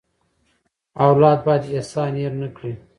اولاد باید احسان هېر نه کړي.